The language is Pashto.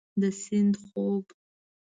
د سیند خوب